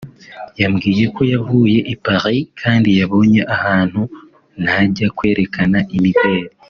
yambwiye ko yavuye i Paris kandi yabonye ahantu najya kwerekana imideli